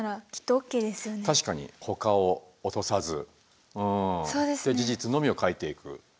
確かにほかを落とさずで事実のみを書いていく。